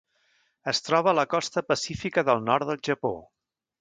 Es troba a la costa pacífica del nord del Japó.